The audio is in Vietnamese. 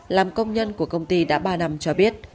làm công nhân của công ty đã ba năm cho biết